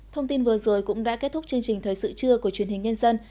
thông tin vừa rồi cũng đã kết thúc chương trình thời sự trưa của truyền hình nhân dân